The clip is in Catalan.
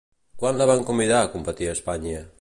Quan la van convidar a competir a Espanya?